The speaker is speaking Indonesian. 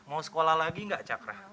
mau sekolah lagi gak cakra